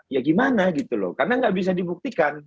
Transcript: ya gimana gitu loh karena nggak bisa dibuktikan